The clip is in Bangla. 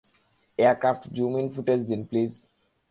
এয়ারক্র্যাফট, জুম ইন ফুটেজ দিন, প্লিজ।